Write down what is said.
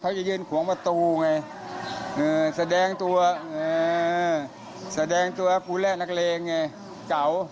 จะยืนขวงประตูไงแสดงตัวแสดงตัวภูแร่นักเลงไงเก่า